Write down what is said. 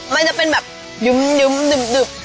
มันจะเป็นแบบยุ่มยุ่มยุ่มดึบ